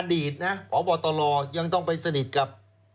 อดีตนะพบตรยังต้องไปสนิทกับ